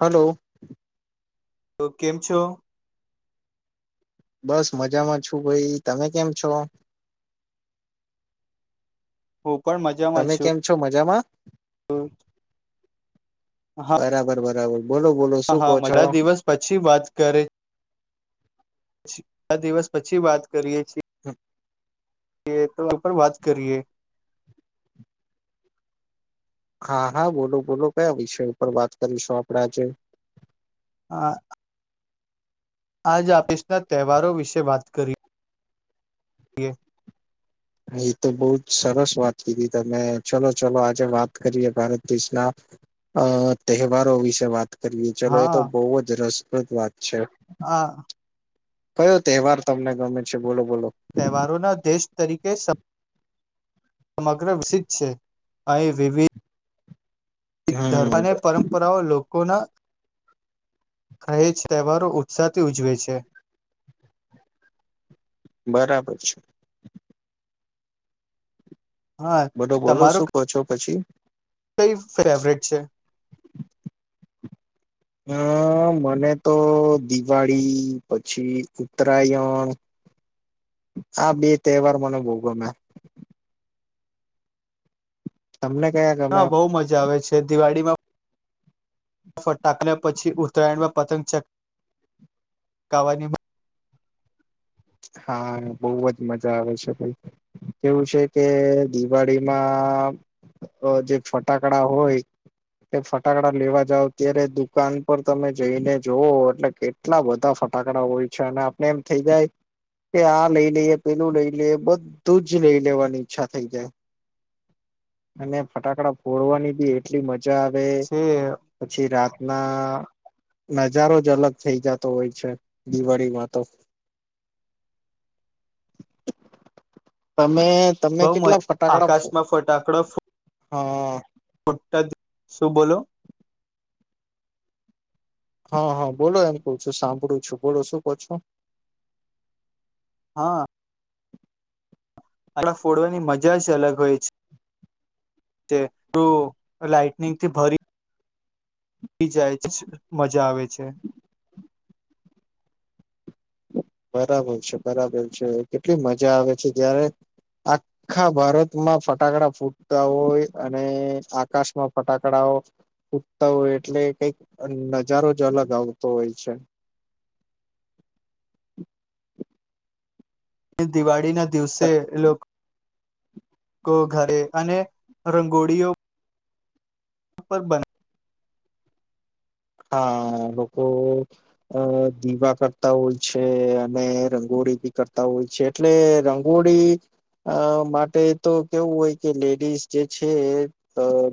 Hello તો કેમ છો બસ મજામાં છું ભઈ તમે કેમ છો હું તમે કેમ છો મજામાં હમ્મ બરાબર બરાબર બોલો બોલો હા શું હા કહો છો મજા દિવસ પછી વાત કરે દિવસ પછી વાત કરીએ છીએ હ. કે તો એ પર વાત કરીએ હા હા બોલો બોલો કયા વિષય ઉપર વાત કરીશું આપડ આજે હા. આજ આપીેશના તહેવારો વિશે વાત કરી યે. એ તો બહું જ સરસ વાત કીધી તમે ચલો ચલો આજે વાત કરીએ ભારત દેશના અ તહેવારો વિશે વાત કરીએ ચલો એ તો બહુ જ રસપ્રદ વાત છે હા. કયો તહેવાર તમને ગમે છે બોલો? બોલો તહેવારોના દેશ તરીકે સ સમગ્ર વિસિત છે અહીં વિવિધ એક ધર્મ હમ અને પરંપરાઓ લોકોના કહેજ તહેવારો ઉત્સાહથી ઉજવે છે બરાબર છે. હા બધો બોલો તમારો શું પછો પછી. કઈ ફેવરેટ છે? અમ મને તો દિવાળી પછી ઉત્તરાયણ આ બે તહેવાર મને બો ગમે. તમને કયા ગમે હા બઉુ મજા આવે છે. તે દિવાળીમાં ફટાક્યા પછી ઉત્તરાયણમાં પતંગ ચક કવાનીમાં હા બહુ જ મજા આવે છે ભાઈ કેવું છે કે દિવાળીમાં જે ફટાકડા હોય એ ફટાકડા લેવા જાવ ત્યારે દુકાન પર તમે જઈને જોવ એટલે કેટલા બધા ફટાકડા હોય છે અને આપને એમ થઇ જાય કે આ લઈ લઈએ પેલું લઈ લઈએ બધું જ લઈ લેવાની ઈચ્છા થઈ જાય. અને ફટાકડા ફોડવાની બી એટલી મજા આવે છે પછી રા ના. નજારો જ અલગ થઈ જતો હોય છે દિવાળીમાં તો. તમે તમે બઉ મજા કેટલા ફટાકડા આકાશમાં ફટાકડાો હા [unintelligible] શું બોલો? હા હા બોલો એમ કેવ છું સાંભળું છું બોલો શું કો છો. હા. ફટાકડા ફોડવાની મજા જ અલગ હોય છે. તે તું લાાઈટનિંગથી ભરી જાય છે. મજા આવે છે. બરાબર છે બરાબર છે કેટલી મજા આવે છે જ્યારે આખા ભારતમાં ફટાકડા ફૂટતા હોય અને આકાશમાં ફટાકડા ફુટતા હોય એટલે કઈક નજારો જ અલગ આવતો હોય છે. અને દિવાળીના દિવસે લોકો ઘરે અને રંગોળીઓ પર બન હા લોકો અ દીવા કરતા હોય છે અને રંગો ળી બી કરતા હોય છે. એટલે રંગોળી અ માટે તો કેવું હોય કે લેડીઝ જે છે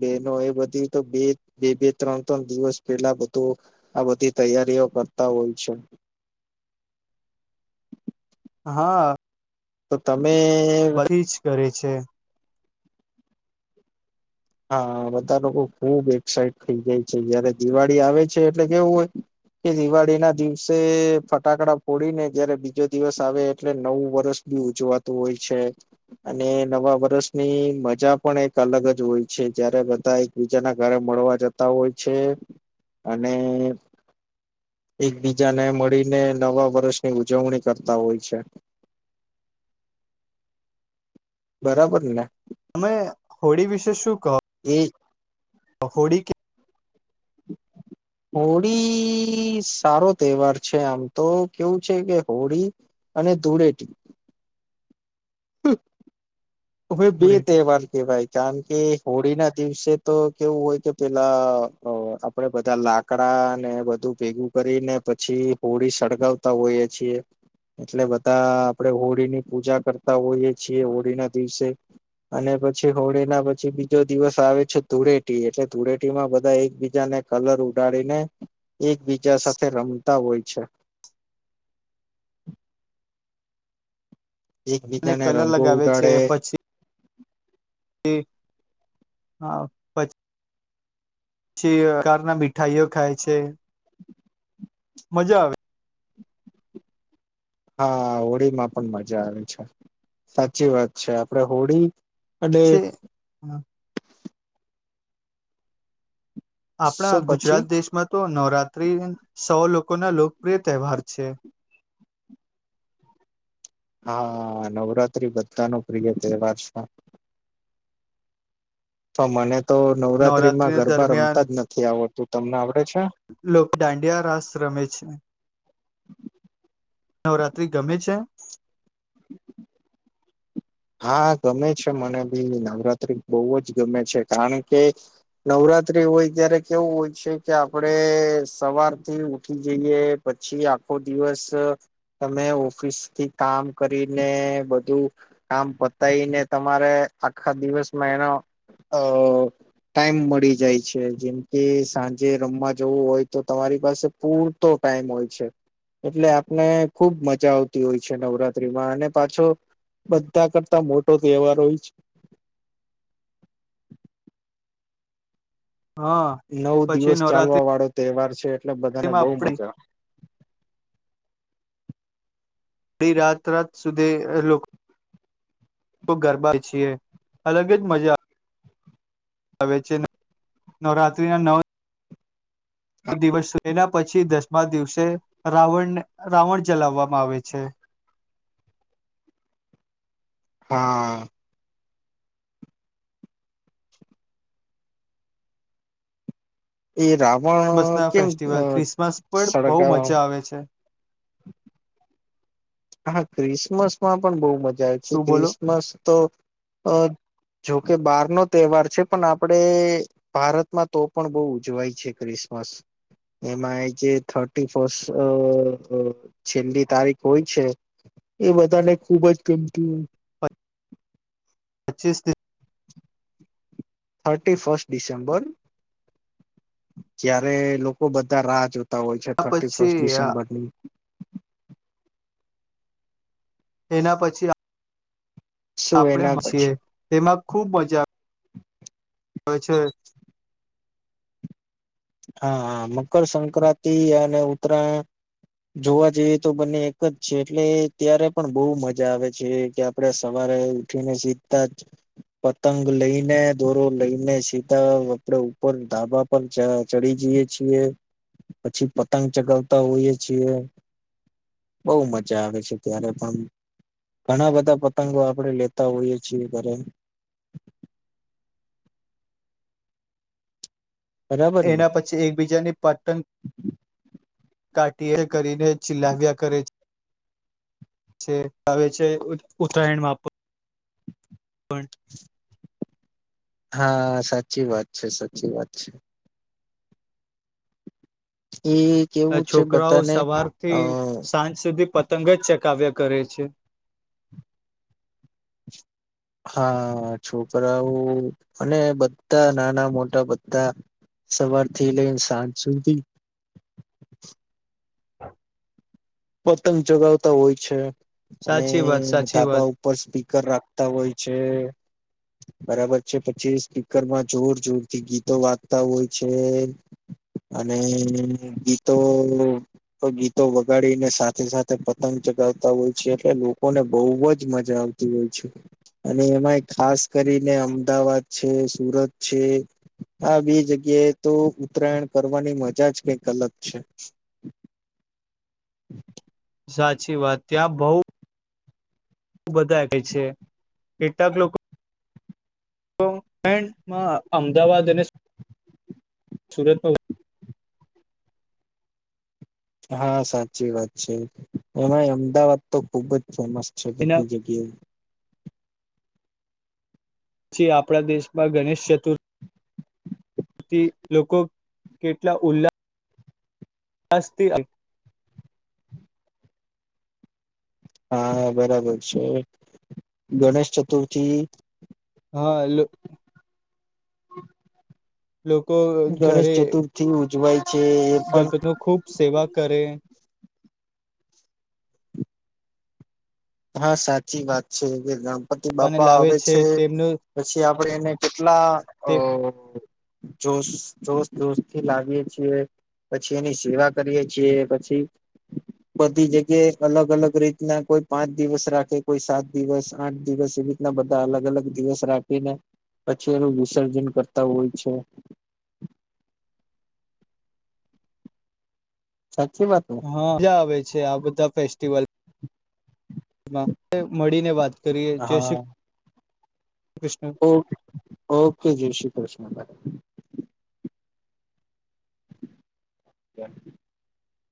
બેનો એ બધી તો બે બે બે ત્રણ ત્રણ દિવસ કેટલા બધું આ બધી તૈયારીઓ કરતા હોય છે. હા. તો તમે બધી જ કરે છે. હા બધા લોકો ખુબ એક્સાઈટ થઈ જાય છે. જયારે દિવાળી આવે છે એટલે કેવું હોય કે દિવાળી ના દિવસે ફટાકડા ફોડી ને જયારે બીજો દિવસ આવે એટલે નવું વર્ષ ઉજવાતું હોય છે. અને નવા વર્ષની મજા પણ એક અલગ જ હોય છે. જયારે બધા એકબીજાના ઘરે મળવા જતા હોય છે. અને એકબીજાને મળીને નવા વર્ષની ઉજવણી કરતા હોય છે. [inaudible] બરાબર ને. તમે હોળી વિશે શું કહો એ હોળી કે [inaudible] હોળી સારો તહેવાર છે આમ તો કેવું છે કે હોળી અને ધૂળેટી [inaudible] હવે બે ધૂળેટી તહેવાર કેવાય કારણ કે હોળી ના દિવસે તો કેવું હોય કે પેલા આપડે બધા લાકડા ને બધુ ભેગું કરીને પછી હોળી સળગાવતા હોયએ છીએ. એટલે બધા આપણે હોળીની પૂજા કરતા હોઈએ છીએ હોળી ના દિવસે. અને પછી હોળી ના પછી બીજો દિવસ આવે છે ધૂળેટી. એટલે ધૂળેટીમાં બંધા એકબીજાને ને કલર ઉડાડીને એકબીજા સાથે રમતા હોય છે. અને એકબીજાને કલર રંગો લગાવે ઉડાડે તે હા પછી કારના મીઠાઈઓ ખાય છે. મજા આવે. હા હોળીમાં પણ મજા આવે છે સાચી વાત છે. આપડે હોળી અને પછી હમ આપણા શું પછી ગુજરાત દેશમાં તો નવરાત્રી સૌ લોકોના લોકપ્રિય તહેવાર છે હા નવરાત્રી બધા નો પ્રિય તહેવાર છે તો મને તો નવરાત્રીમાં નવરાત્રી ગરબા દરમિયાન રમતા જ નથી આવડતું તમને આવળે લોકો દાંડિયા રાસ રમે છે નવરાત્રિ ગમે છે [inaudible] [inaudible] હા ગમે છે મને બી નવરાત્રી બહુ જ ગમે છે કારણ કે નવરાત્રી હોય ત્યારે કેવું હોય છે કે આપડે સવારથી ઉઠી જઈએ પછી આખો દિવસ તમે ઓફિસથી કામ કરીને બધું કામ પતાયને તમારે આખા દિવસમાં એનો અ ટાઈમ મળી જાય છે જેમ કે સાંજે રમવા જવું હોય તો તમારી પાસે પૂરતો ટાઈમ હોય છે એટલે આપને ખુબ મજા આવતી હોય છે નવરાત્રીમાં અને પાછો બધા કરતા મોટો તહેવાર હોય છે હા નવ પછી દિવસ ચાલવા નવરાત્રીમાં વાળો તહેવાર છે એટલે બધાને બહુ આપણે મજા અડી રાત રાત સુધી લોકો તો ગરબા છીએ અલગ જ મજા આવે છે ન નવરાત્રીના નવ દિવસ એના પછી દસમા દિવસે રાવણને રાવણ જલાવવામાં આવે છે. હા એ ક્રિસમસ રાવણ ના કેમ અ ફેસ્ટિવલ ક્રિસમસ પણ બહુ સળગાવવામાં મજા આવે છે ક્રિસમસ માં પણ બહુ મજા આવે છે. શું બોલો ક્રિસમસ તો અ જોકે બહાર નો તહેવાર છે. પણ આપડે ભારતમાં તો પણ બહુ ઉજવાય છે, ક્રિસ મસ એમાં જે થર્ટી ફસ્ટ અ અ છેલ્લી તારીખ હોય છે એ બધાને ખુબ જ ગમતી હોય પચ્ચીસ દિન થર્ટી ફસ્ટ ડિસેમ્બર. જય્યારે લોકો બધા રાહ જોત તા હોય છે. થટી ર્ફર્સ્ટ પછી ડિસેમ્બર ની એના પછી આ શું એના આપણે છીએ પછી તેમાં ખુબ મજા હોએ છે. હા હા મકર સંંક્રાંતિ અને ઉત્તરાયણ જોવા જેવી તો બંને એક જ છે. એટલે ત્યારે પણ બહુ મજા આવે છે. કે આપણે સવાર રે ઉઠીને સિધાજ પતંગ લઈને, દોરો લઈને સીધા આપણે ઉપર ઉપર ધાબા પર જા ચડી જઈએ છીએ. પછી પતંગ ચગાવતા હોઈએ છીએ. બહુ મજા આવે છે. ત્યારે પણ ઘણા બધા પતંગો આપણે લેતા હોઈએ છીએ ઘરે. [inaudible] [inaudible] બરાબર ને એના પછી એકબીજાની પતંગ કાટિએ કરીને ચીલાવ્યા કરે છે. આવેવે છે ઉત્તરાયણમાં પણ હા સાચી વાત છે. સાચી વાત છે. એ કેવું છે છોકરાઓ બધાને સવાર અ થી સાંજ સુધી પતંગ પતંગ જ ચકાવ્યા કરે છે. હા, છોકરાઓ, અને બધા નાના મોટા બધા સવારથી લઈને સાંજ સુધી [inaudible] પતંગ ચગાવતા હોય છે, અને સાચી વાત સાચી વાત ધાબા ઉપર સ્પીકર રાખ તા હોય છે. બરાબર છે, પછી સ્પીકરમાં જોર જોરથી ગીતો વાંગતા હોય છે. અને ગીતો ગીતો વગાડીન ને સાથે સાથે પતંગ ચગાવતા હોય છે, એટલે લોકોને બહુ જ મજા આવતી હોય છે, અને એમાંય ખાસ કરીને અમદાવાદ છે, સુરત છે, આ બે જગ્યા એ તો ઉત્તરાયણ કરવાની મજા જ કઈક અલગ છે. [inaudible] [inaudible] સાચી વાત ત્યાં બઉ બધા કે છે, કેટલાક લોકો [unintelligible] અમદાવાદ અને સુ સુરતમાં હા સાચી વાત છે, એમાં અમદાવાદ તો ખુબ જ ફેમસ છે. એના કેતળી જગ્યા પછી આપણા દેશમાં ગણેશ ચતુર્થી થી લોકો કેટલા ઉલ્લાસ [unintelligible] હા બરાબર છે, ગણેશ ચતુર્થી હા હલો [inaudible] લોકો ગણેશ ઘરે ચતુર્થી ઉજવાય છે એ પણ ગણપતિ ન ખુબ સેવા કરે હા સાચી વાત છ, કે ગણપતિ અને બાપા લાવે આવે છે તેમનું પછી આપણે એને કેટલા અ તે જોશ જોશ જોશ થી લાવીએે છીએ પછી એની સેવા કરીએે છીએ પછી બધી જગ્યા અલગ અલગ રીતના કોઈ પાંચ દિવસ રાખે કોઈ સાત દિવસ આઠ દિવસ એવીીતના બધા અલગ અલગ દિવસ રાખીને પછી એનું વિસર્જન કરતા હોય છે. [inaudible] સાચી વાત ને હા મજા આવે છે, આ બધા ફેસ્ટિવલ મળીને વાત કરીએ જે શ ઓ ઓકે જય શ્રી કૃષ્ણ. [unintelligible]